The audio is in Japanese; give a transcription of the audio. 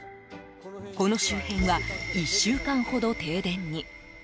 この周辺は１週間ほど停電に。